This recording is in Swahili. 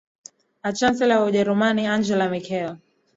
a chancellor wa ujerumani angela mickel